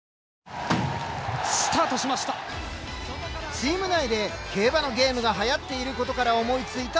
チーム内で競馬のゲームがはやっていることから思いついたテーマ。